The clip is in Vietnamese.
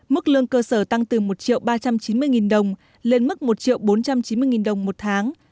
mức lương cơ sở tăng từ một ba trăm chín mươi nghìn đồng lên mức một bốn trăm chín mươi đồng một tháng